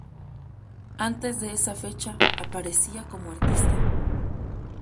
Antes de esa fecha, aparecía como artista.